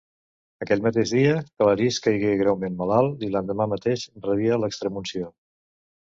Aquell mateix dia, Claris caigué greument malalt i l'endemà mateix rebia l'extremunció.